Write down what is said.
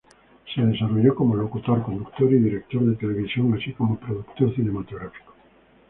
Se desarrolló como locutor, conductor y director de televisión así como productor cinematográfico.